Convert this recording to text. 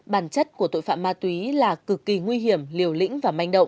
bản chất của tội phạm ma túy là cực kỳ nguy hiểm liều lĩnh và manh động